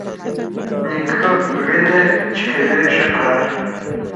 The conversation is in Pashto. • نیکه ویله چي کوی ښه کار ,